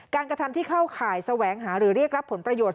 กระทำที่เข้าข่ายแสวงหาหรือเรียกรับผลประโยชน